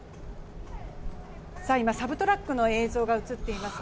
サブトラックの映像が映っています。